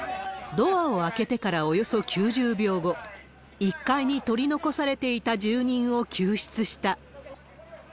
ドアを開けてからおよそ９０秒後、１階に取り残されていた住人を救出した。